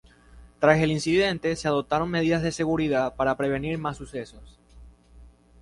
Tras el accidente se adoptaron medidas de seguridad para prevenir más sucesos.